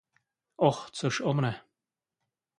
Oh, což o mne!